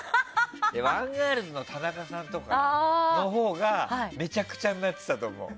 アンガールズの田中さんとかのほうがめちゃくちゃになってたと思う。